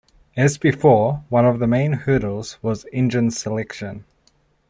As before, one of the main hurdles was engine selection.